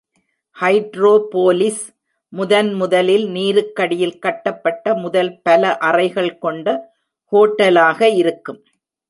Hydropolis முதன்முதலில் நீருக்கடியில் கட்டப்பட்ட முதல் பல அறைகள் கொண்ட ஹோட்டலாக இருக்கும்.